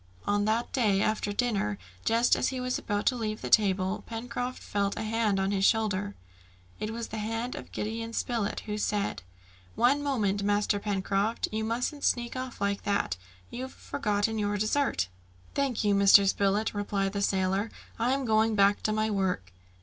On that day, after dinner, just as he was about to leave the table, Pencroft felt a hand on his shoulder. It was the hand of Gideon Spilett, who said, "One moment, Master Pencroft, you mustn't sneak off like that! You've forgotten your dessert." "Thank you, Mr. Spilett," replied the sailor, "I am going back to my work."